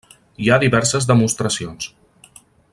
Hi ha diverses demostracions.